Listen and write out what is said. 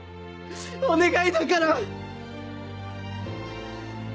お願いだから！